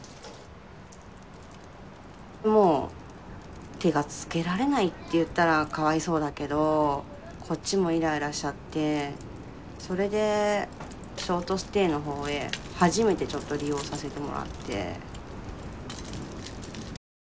もう手がつけられないって言ったらかわいそうだけどこっちもイライラしちゃってそれでショートステイの方へ初めてちょっと利用させてもらって。